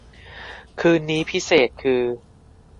คืนนี้พิเศษคือ